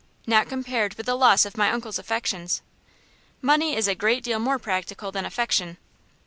"Not compared with the loss of my uncle's affections." "Money is a great deal more practical than affection."